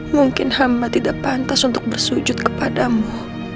mungkin hama tidak pantas untuk bersujud kepadamu